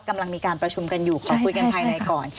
กำลังมีการประชุมกันอยู่ขอคุยกันภายในก่อน